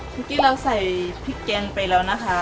เมื่อกี้เราใส่พริกแกงไปแล้วนะคะ